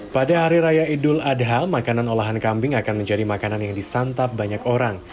pada hari raya idul adha makanan olahan kambing akan menjadi makanan yang disantap banyak orang